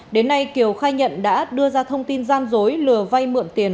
đến nay kiều khai nhận đã đưa ra thông tin gian dối lừa vay mượn tiền